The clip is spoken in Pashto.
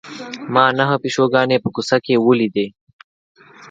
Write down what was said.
ما نهه پیشوګانې په کوڅه کې ولیدې.